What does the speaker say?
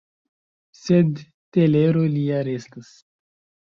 Sed telero lia restas.